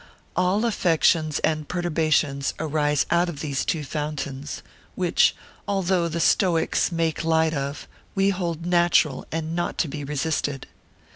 All affections and perturbations arise out of these two fountains, which, although the stoics make light of, we hold natural, and not to be resisted.